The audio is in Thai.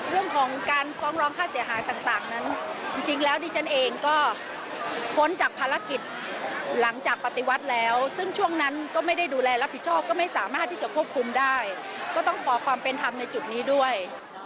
เรื่องของการฟ้องร้องค่าเสียหายต่างนั้นจริงแล้วดิฉันเองก็พ้นจากภารกิจหลังจากปฏิวัติแล้วซึ่งช่วงนั้นก็ไม่ได้ดูแลรับผิดชอบก็ไม่สามารถที่จะควบคุมได้ก็ต้องขอความเป็นธรรมในจุดนี้ด้วย